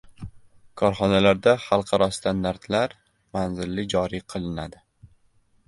Korxonalarda xalqaro standartlar manzilli joriy qilinadi